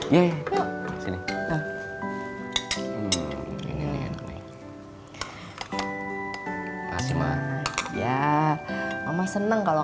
ya mama senang kalau